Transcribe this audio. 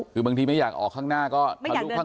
คือบางทีไม่อยากออกข้างหน้าก็ทะลุข้าง